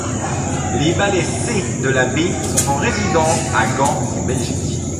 Les Ballets C de la B sont en résidence à Gand en Belgique.